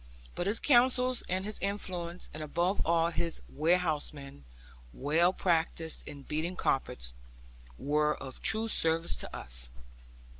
But his counsels, and his influence, and above all his warehousemen, well practised in beating carpets, were of true service to us.